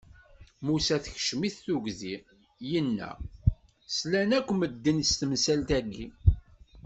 Musa tekcem-it tugdi, inna: Slan akk medden s temsalt-agi!